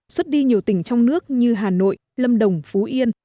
xuất đi nhiều tỉnh trong nước như hà nội lâm đồng phú yên